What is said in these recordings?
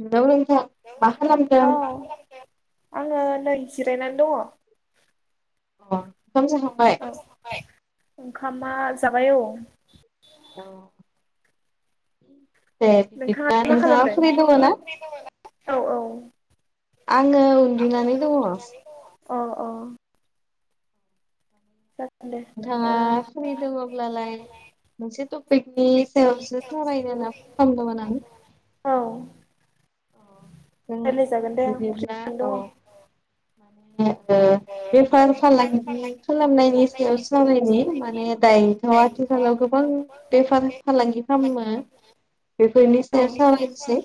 Hello नोंथ मा खालामदों। नै जिरायनानै दङ। अ ओंखाम जाखांबाय। ओंखामा जाबाय। औ अ दे बिदिब्ला नोंहा फ्रि दङना। औ औ आङो उन्दुनानै दङ। अ औ। नोंथाङा फ्रि दङब्लालाय। मोनसे टपिकनि सायावसो सरायनो होनना फन खालामदोंमोन आं। अ जों बिदिब्ला औ। माने बेफार फालांगि खालामनायनि सायाव स जरायनि माने दायोथ' आथिखालाव गोबां बेफार फालांगि खालामो बे गनि ससाबायानोसै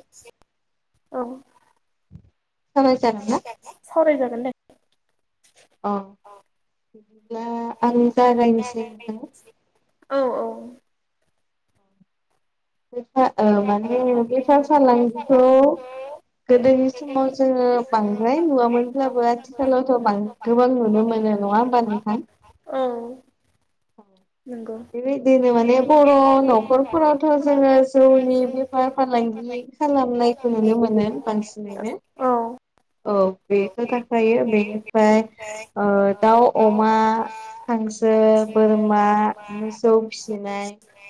समाचार ना सावरायजागोन दे औ बिदिबा आं जालायनोसै औ औ बे माने बेफार फालांगिखौ गोदोनि समाव जोङो बांद्राय नुवामोनब्लाबो आथिखालावथ' गोबां नुनोमोन। नङा होमबा नोंथां बे दनो माने बर' न'खरफोरावथ' जोङो जौनि बेफार फालांगि खालामनायखौ नुनो मोनो। फानसननो औ बेथ' थाखायो बेनिफ्राय दाउ अमा हांसो बोरमा मोसौ फिसिनाय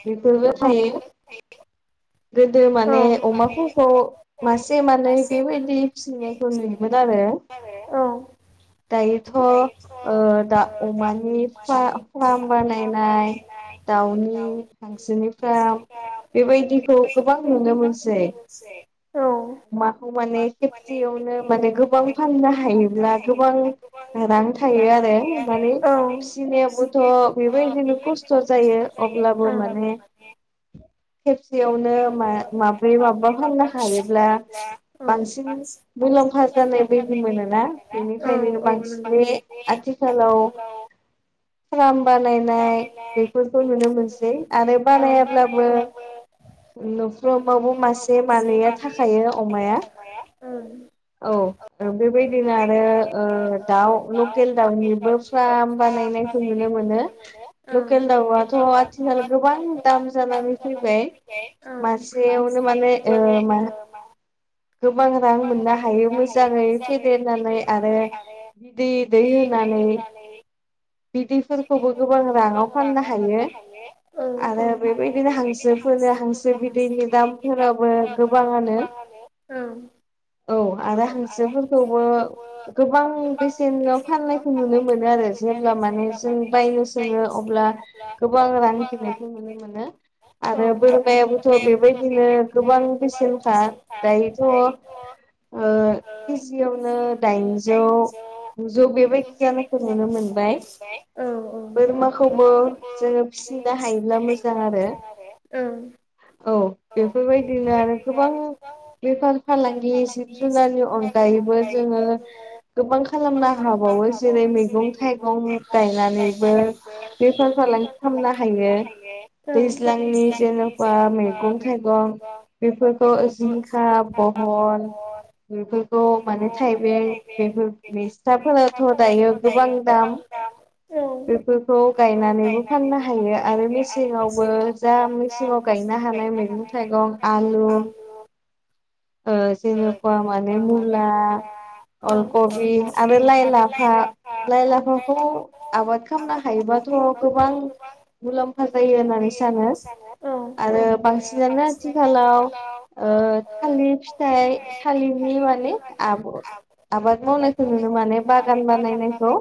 बेफोरबो थायो। गोदो माने अमाफोरखौ मासे मानै बेबायदि फिसिनायखौ नुयोमोन आरो रो औ [inaudible] दायोथ' दा अमानि फ फार्म बानायनाय दाउनि हांसोनिफ्राम बेबायदि खौ गोबां नुनो मोनसै अमाखौ माने खेबसेयावनो माने गोबां फाननो हायोब्ला गोबां। रां थायो आरो माने फिनायाबोथ' बेबायदिनो खस्थ' जायो। अब्लाबो माने खेबसे खायावनो माब्रै माबा फामनो हायोब्ला। बांसिन मुलाम्फा जानाय बायदि मोनोना बेनिखायनो बांसिनै आथिखालाव फार्म बानायनाय बेफोरखौ नुनो मोनसै आरो बानायाब्लाबो न'फ्रावबावबो मासे मानैया थाखायायो अमाया [unintelligible] औ बेबायदिनो आरो ओ दाउ लखेल दाउनिबो फार्म बानायनाय नायखौ नुनो मोनो। लखेल दाउआथ' आथिखाल गोबां दाम जानानै फैबाय मासेयावनो माने ओ मा होनो गोबां रां मोननो हायो मोजाङै फेदेरनानै आरो बिदै दै होनानै बिदैफोरखौबो गोबां राङाव फाननो हायो। आरो बेबायदिनो हांसो हांसोफोरनि हांसो बिदैनि दामफोराबो गोबांआनो औ आरो हांसोफोरखौबो गोबां बेसेनाव फाननायखौ नुनो मोनो आरो जेब्ला माने जों बायनो सोङो अब्ला गोबां रां बिनायखौ नुनो मोनो। आरो बोरमायाबोथ' बेबायदिनो गोबां बेसेनखा दायोथ' ओ केजियावनो दाइनजौ जौ बेबायदि जानायखौ नुनो मोनबाय बोरमाखौबो जोङो फिसिनो हायोब्ला मोजां आरो औ औ बेफोरबायदिनो आरो गोबां बेफार फालांगि जिब जुनारनि अनगायैबो जोङो गोबां खालामनो हाबा बावैसो रै मैगं-थाइगं गायनानैबो बेफार फालांगि खालामनो हायो दै ज्लांनि जेनबा मैगं-थाइगं बेफोरखौ जिंखा बहल बेफोरखौ माने थाइबें बेफोर मिसथाफोराथ' दायो गोबां दाम बेफोरखौ गायनानैबो फाननो हायो आरो मेसेंआवबो दा मैसेङाव गायनो हानाय मैगं थाइगं आलु ओ जेनखा माने मुला अल कबि आरो लाइ, लाफा, लाइ, लाफाखौ आबाद खालामनो हायोबा थ' गोबां मुलाम्फा जायो होननानै होननानै सानो आरो बांसिन जानो आथिंखालाव ओ थालिर फिथाइ थालिरनि माने आब' आबाद मावनायखौ नुनो माने बागान बानायनायखौ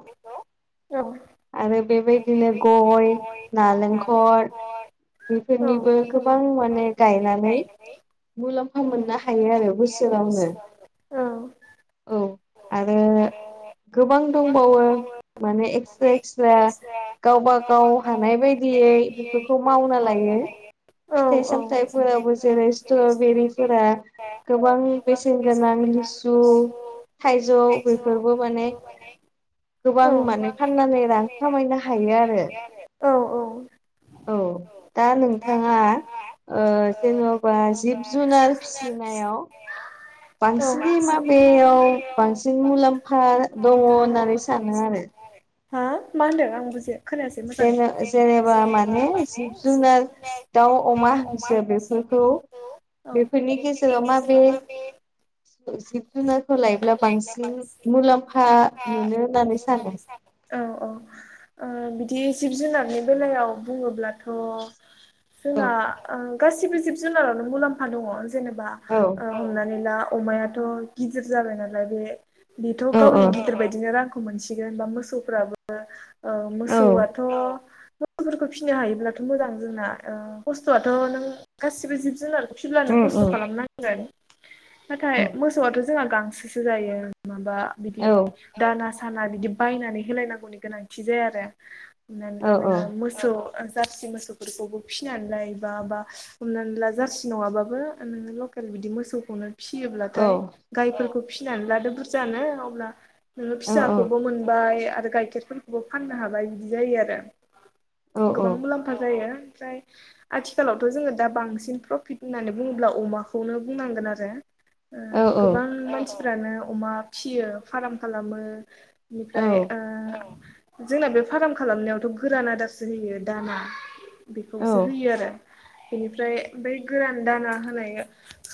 आरो बेबायदिनो गय नालेंखर बेफोरनिबो गोबां माने गायनानै मुलाम्फा मोननो हायो आरो बोसोरावनो औ आरो गोबां दंबावो माने एक्स्रा एक्स्रा गावबा गाव हानाय बायदियै बेफोरखौ मावना लायो। फिथाइ सामथायाइफोराबो जेरै स्ट्रबेरिफोरा गोबां बेसेन गोनां लिसु थाइजौ बेफोरबो माने गोबां माने फाननानै रां खामायनो हायो आरो औ औ औ दा नोंथाङा ओ जेन'बा जिब जुनार फिसिनायाव बांसिनै माबेयाव बांसिन मुलाम्फा दङ होननानै सानो आरो मा होनदों आंबो बुजि खोनायासै मोजाङै बा माने जिब-जुनार दाउ अमा हांसो बेफोरखौ बेफोरनि गेजेराव मा बे जिब जुनारखौ लायोब्ला बांसिन मुलाम्फा मोनो होननानै सानो। औ [inaudible] जि जिब जुनारनि बेलायाव बुङोब्लाथ' जोंना ओ गासिबो जिब जुनारावनो मुलाम्फा दङ जेनेबा ओ हमनानै ला। अमायाथ' गिदिर जाबाय नालाय बे बेथ' गावनि गिदिर बायदिनो रांखौ मोनसिगोन बा मोसौफोराबो ओ जौआथ' बुस्थुफोरखौ फिनो हायोब्लाथ' मोजां जोंना ओ खस्थ'आथ' नों गासिबो जिब जुनारखौ फिब्लानो खस्थ' खालामनांगोन नाथाय मोसौआथ' जोंहा गांसोसो जायो। बा बिदि दाना साना बिदि बायनानै होलायनांगौनि गोनांथि जाया आरो हमनानै ला नों मोसौ जारसि मोसौफोरखौबो फिनानै लायोबा बा हमनानै ला जारसि नङाबाबो ओम। खालि बिदि मोसौखौनो फियोब्लाथाय गायफोरखौ फिसिनानै लादो बुरजानो अब्ला नोङो फिसाखौबो मोनबाय आरो गाइखेरफोरखौबो फाननो हाबाय बिदि जायो आरो गोबां मुलाम्फा जायो। ओमफ्राय आथिखालावथ' जोङो दा बांसिन प्रफिट होननानै बुङोब्ला अमाखौनो बुंनांगोन आरो ओ गोबां मानसिफ्रानो अमा फियो फार्म खालामो। बेनिफ्राय ओ जोंना बे फार्म खालामनायावथ' गोरान आदारसो होयो दाना बेखौसो होयो आरो। बेनिफ्राय बे गोरान दाना होनाय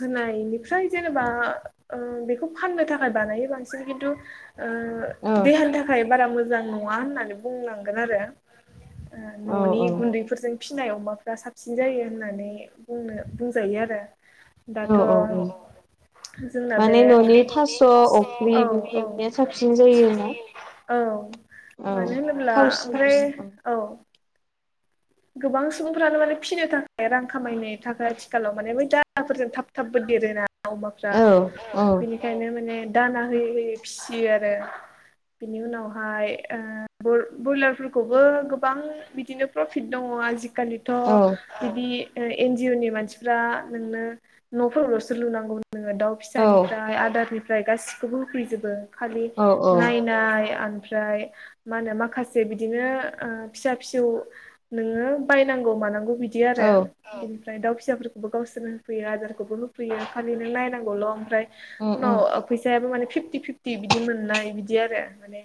होनायनिफ्राय जेनेबा ओ बेखौ फाननो थाखाय बानायो बांसिन खिन्थु ओ देहानि थाखाय बारा मोजां नङा होननानै बुंनांगोन आरो। ओ न'नि गुन्दैफोरजों फिसिनाय अमाफ्रा साबसिन जायो होननानै बुंनो बुंजायो आरो। दाथ' जोंना बे [unintelligible] औ औ औ औ। मानो होनोब्ला ओमफ्राय औ गोबां सुबुंफ्रानो माने फिनो थाखाय रां खामायनो थाखाय आथिखालाव माने बै दाराफोरजों थाब थाबनो देरोना अमाफ्रा बेनिखायनो माने दाना होयै होयै फिसियो आरो बिनि उनावहाय ओ बय ब्रयलारफोरखौबो गोबां बिदिनो प्र फिट दङ आजिखालिथ' बिदि ओ एनजिअ नि मानसिफ्रा नोंनो न'फोरल'सो लुनांगौ नोङो दाउ फिसानिफ्राय आदारनिफ्राय गासिखौबो होफैजोबो खालि नायनाय आ ओमफ्राय मा होनो माखासे बिदिनो ओ फिसा फिसौ नोङो बायनांगौ मानांगौ बिदि आरो ओमफ्राय दाउ फिसाफोरखौबो गावसोरनो होफैयो आदारखौबो होफैयो खालि नों नायनांगौल' ओमफ्राय उनाव फैसायाबो माने फिफ्टि फिफ्टि बिदि मोननाय बिदि आरो। माने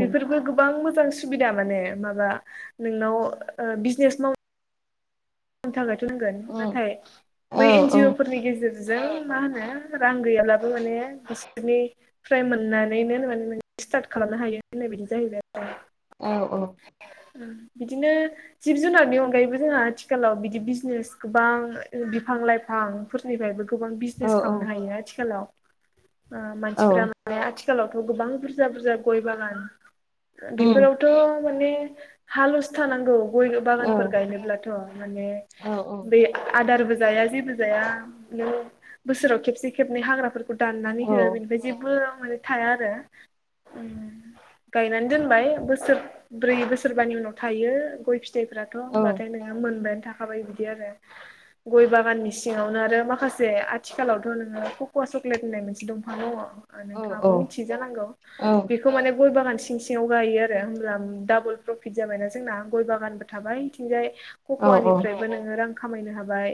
बेफोरफोरखौ गोबां मोजां सुबिदा माने माबा नोंनाव ओ बिजनेस माव नो थाखायथ' होनगोन नाथाय बै एनजिअ फोरनि गेजेरजों जों मा होनो रां गैयाब्लाबो माने बिसोरनिफ्राय मोननानैनो माने स्टार्ट खालामनो हायो होननाय बादि जाहैबाय बिदिनो जिब जुनारनि अनगायैबो जोंहा आथिखालाव बिदि बिजनेस गोबां बिफां लाइफांफोरनिफ्रायबो। गोबां बिजनेस खालामनो हायो आथिखालाव ओ मानसिफोरा माने आथिखालावथ' गोबां बुरजा बुरजा गय बागान बेफोरावथ' माने हालस थानांगौ गय बागानफोर गायनोब्लाथ'। माने बे आदारबो जाया जेबो जाया। बोसोराव खेबसे खेबनै हाग्राफोरखौ दान्नानै हो बेनिफ्राय जेबो माने थाया आरो गायनानै दोनबाय बोसोर ब्रै बोसोरबानि उनाव थायो गय फिथ [unintelligible] मोनबायानो थाखाबाय बिदि आरो गय बागाननि सिङावनो आरो माखासे आथिखालावथ' नोङो कक'वा चक्लेट होननाय मोनसे दंफां दङ नोंथाङाबो मिथियो जानांगौ बेखौ माने गय बागान सिं सिङाव गायो आरो होमब्ला डाबल प्रफिट जाबायना जोंना गय बागानबो थाबाय इथिंजाय कक'वानिफ्रायबो नोङो रां खामायनो हाबाय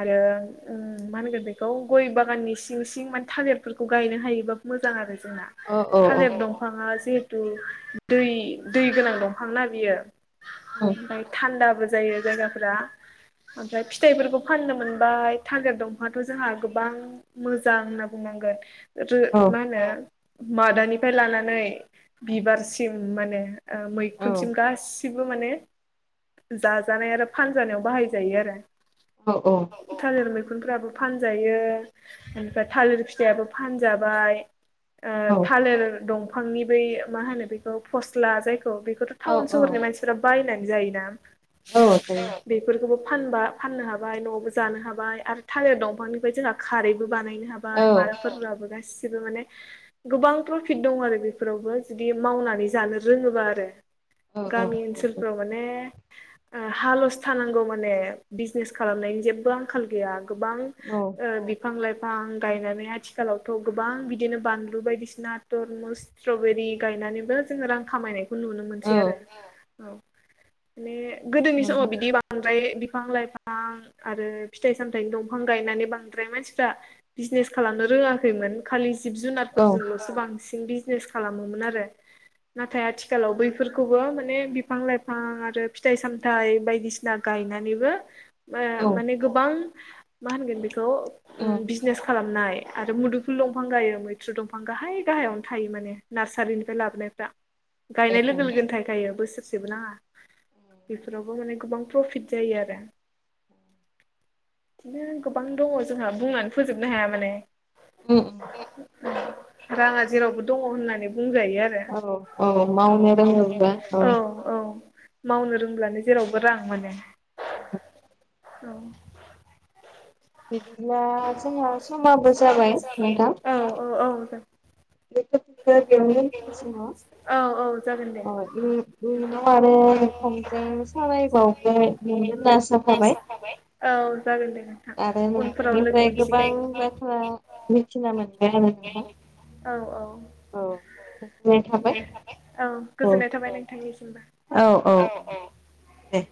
आरो उम मा होनगोन बेखौ गय बागाननि सिं सिं माने थालिर बेफोरखौ गायनो हायोबा मोजां आरो जोंना थालिर दंफङा [unintelligible] दै दै गोनां दंफां ना बियो आमफ्राय थानदा जायो जायगाफोरा। ओमफ्राय फिथाइफोरखौ फाननो मोनबाय थालिर दंफाङाथ' जोंहा गोबां मोजां होनना बुङो नांगोन। आरो मा होनो मादानिफ्राय लानानै बिबारसिम मा होने ओ मैखुनसिम गासिबो माने जाजानाय आरो फानजानायाव बाहायजायो आरो। औ औ। मैखुनफ्राबो फानजायो आमफ्राय थालिर फिथाइयाबो फानजाबाय। ओ थालिर दंफांनि बै मा होनो बेखौ फस्ला जाय बेखौथ' टाउन सहरनि मानसिफ्रा बायनानै जायोना। औ संङो। फानबा फाननो हाबाय न'आवबो जानो हाबाय आरो थालिर दंफांनिफ्राय जोंहा खारैबो बानायनो हाबाय माराफोराबो गासिबो। [unintelligible] माने गोबां प्रफिट दं आरो बेफोरावबो जुदि मावनानै जानो रोङोबा आरो। गामि ओनसोलफोराव माने ओ हालसो थानांगौ माने बिजनेस खालामनायनि जेबो आंखाल गैया गोबां ओ बिफां लाइ फां गायनानै आथिखालावथ' गोबां बिदिनो बानलु बायदिसिना तरमुज स्ट्रबेरि गाय नानैबो जोङो रां खामायनायखौ नुनो मोनसै आरो। माने गोदोनि समाव बिदि बां द्राय बिफां लाइफां आरो फिथाइ सामथायनि दंफां गायनानै बांद्राय मानसिफ्रा बिजने ज खालामनो रोङाखैमोन खालि जिब जुनारफोरजोंल'सो बांसिन बिजनेस खालामोमोन आरो। नाथाय आथिखालाव बैफोरखौबो माने बिफां लाइफां आरो फिथाइ सामथाइ बायदिसिना गायनानैबो ओ माने गोबां मा होनगोन बेखौ उम बिजनेस खालामनाय। आरो मुदुफुल दंफां गायो मैथ्रु दंफां गाहाय गाहायावनो थायो माने नार्सारिनिफ्राय लाबोनायफ्रा। गायनाय लोगो लोगोनो थाखायखायो बोसोरसेबो नाङा बेफोरावबो माने गोबां प्रफिट जायो आरो। बिदिनो गोबां दङ जोंहा बुंनानै फोजोबनो हाया माने। राङा जेरावबो दङ होनाय बुंजायो आरो औ औ। मावनो रोंब्लानो जेरावबो रां मोनो। [inaudible] औ। बिदिब्ला जोंहा समाबो जाबाय नोंथां। [unintelligible] नोंथांजों सावराय बावनो मोनगोन होनना आसा थाबाय। आरो नोंथांनिफ्राय गोबां बाथ्रा मिथिना मोनबाय आरो नोंथां औ औ औ गोजोननाय थाबाय औ औ दे